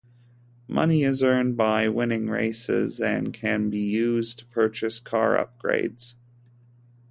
Money is earned by winning races and can be used to purchase car upgrades.